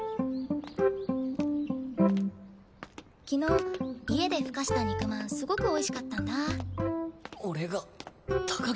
昨日家でふかした肉まんすごくおいしかったんだ。